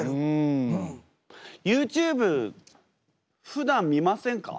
ＹｏｕＴｕｂｅふだん見ませんか？